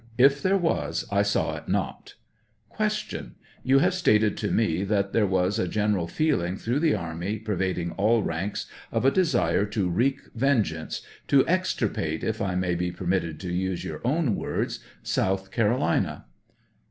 If there was I saw it not. Q. You have stated to me that there was a general feeling through the army, pervading all ranks, of a de sire to wreak vengeance — to extirpate, if 1 may bo permitted to use your own words, South Carolina